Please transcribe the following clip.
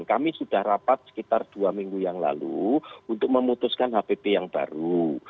kami sudah rapat sekitar dua minggu yang lalu untuk memutuskan hpp yang baru